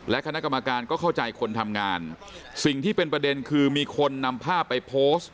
คณะกรรมการก็เข้าใจคนทำงานสิ่งที่เป็นประเด็นคือมีคนนำภาพไปโพสต์